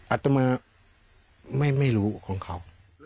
อาจจะเป็นมาไม่รู้ของเขา